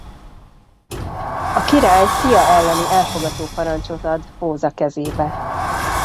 A király fia elleni elfogatóparancsot ad Posa kezébe.